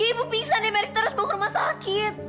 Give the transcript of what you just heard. ibu pingsan mer kita harus bawa ke rumah sakit